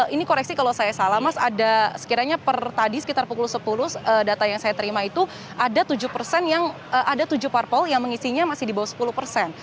ini koreksi kalau saya salah mas ada sekiranya per tadi sekitar pukul sepuluh data yang saya terima itu ada tujuh parpol yang mengisinya masih di bawah sepuluh persen